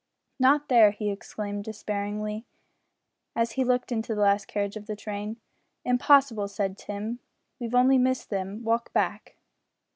"Not there!" he exclaimed despairingly, as he looked into the last carriage of the train. "Impossible," said Tim, "we've only missed them; walk back."